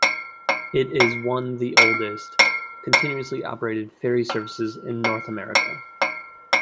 It is one the oldest continuously operated ferry services in North America.